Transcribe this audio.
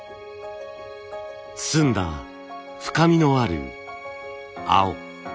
澄んだ深みのある青。